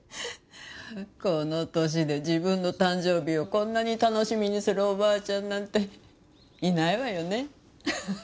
この歳で自分の誕生日をこんなに楽しみにするおばあちゃんなんていないわよね。